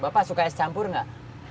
bapak suka es campur nggak